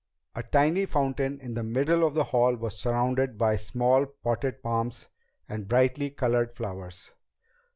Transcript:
A tiny fountain in the middle of the hall was surrounded by small potted palms and brightly colored flowers.